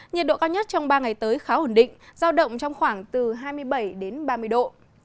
nhiệt độ cao nhất trong ba ngày tới khá ổn định giao động trong khoảng từ hai mươi bảy đến ba mươi độ